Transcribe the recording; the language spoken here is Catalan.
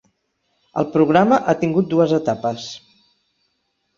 El programa ha tingut dues etapes.